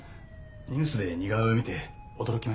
ニュースで似顔絵を見て驚きました。